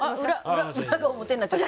裏裏裏が表になっちゃった。